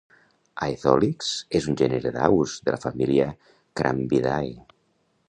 Aetholix és un gènere d'aus de la família Crambidae.